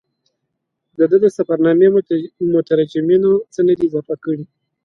د ده د سفرنامې مترجمینو څه نه دي اضافه کړي.